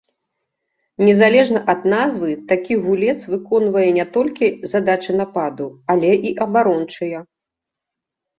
Незалежна ад назвы такі гулец выконвае не толькі задачы нападу, але і абарончыя.